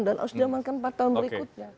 dan harus diamankan empat tahun berikutnya